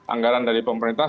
anggaran dari pemerintah